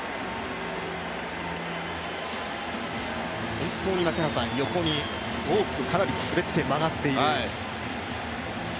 本当に横に大きく、かなり滑って曲がっている。